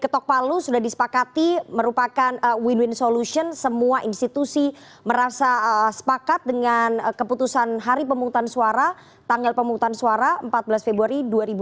ketok palu sudah disepakati merupakan win win solution semua institusi merasa sepakat dengan keputusan hari pemungutan suara tanggal pemutusan suara empat belas februari dua ribu dua puluh